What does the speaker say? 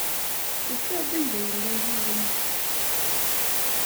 Ufiɣ-d anda yella yiwen.